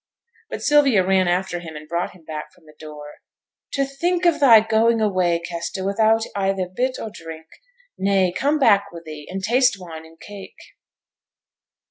But Sylvia ran after him, and brought him back from the door. 'To think of thy going away, Kester, without either bit or drink; nay, come back wi' thee, and taste wine and cake.'